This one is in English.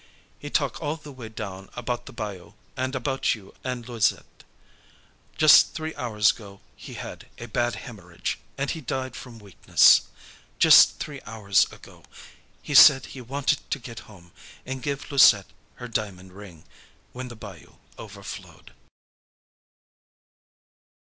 He talk all the way down about the bayou, and about you and Louisette. Just three hours ago he had a bad hemorrhage, and he died from weakness. Just three hours ago. He said he wanted to get home and give Louisette her diamond ring, when the bayou overflowed."